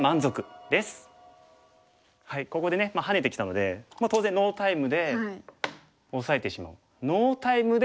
ここでねハネてきたので当然ノータイムで押さえてしまう。